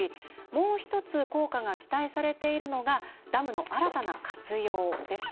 もう１つ効果が期待されているのがダムの新たな活用です。